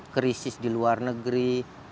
krisis di luar negeri